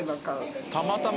たまたま。